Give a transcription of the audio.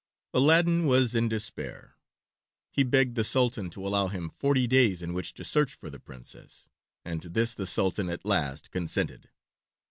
Aladdin was in despair. He begged the Sultan to allow him forty days in which to search for the Princess, and to this the Sultan at last consented.